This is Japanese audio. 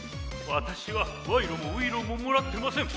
私はわいろも外郎ももらってません。